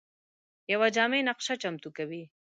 یوه جامع نقشه چمتو کوي.